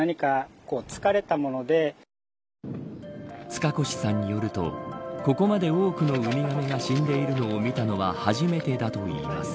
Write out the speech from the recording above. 塚越さんによるとここまで多くのウミガメが死んでいるのを見たのは初めてだといいます。